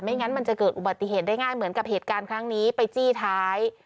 งั้นมันจะเกิดอุบัติเหตุได้ง่ายเหมือนกับเหตุการณ์ครั้งนี้ไปจี้ท้าย